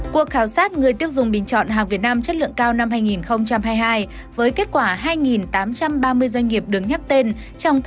cuộc khảo sát người tiêu dùng bình chọn hàng việt nam chất lượng cao năm hai nghìn hai mươi hai với kết quả hai tám trăm ba mươi doanh nghiệp đứng tên